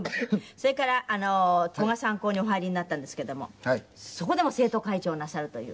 それから古河三高にお入りになったんですけどもそこでも生徒会長をなさるという。